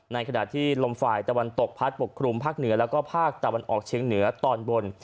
ในขณะที่ลมฝ่ายตะวันตกพัดปกครุมภาคเหนือแล้วก็ภาคตะวันออกเชียงเหนือตอนบน